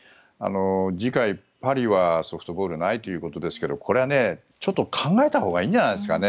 次回、パリはソフトボールないということですがこれはちょっと考えたほうがいいんじゃないですかね。